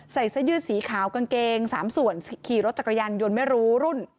เสื้อยืดสีขาวกางเกง๓ส่วนขี่รถจักรยานยนต์ไม่รู้รุ่น